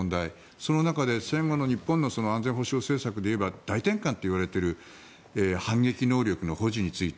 その中で戦後の日本の安全保障政策でいえば大転換といわれている反撃能力の保持について。